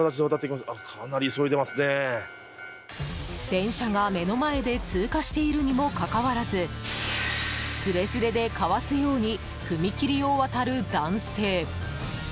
電車が目の前で通過しているにもかかわらずすれすれでかわすように踏切を渡る男性。